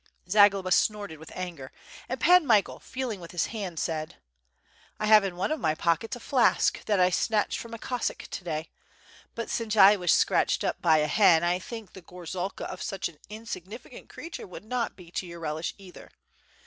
'' Zagloba snorted with anger, and Pan Michael, feeling with his hand, said: "1 have in one of my pockets a flask that I snatched from a Cossack to day; but since I was scratched up by a hen, I think the gorzalka of such an insignificant creature would not be to your relish either.